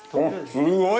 すごい！